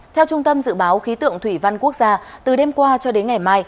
theo trung tâm dự báo khí tượng thủy văn quốc gia từ đêm qua cho đến ngày mai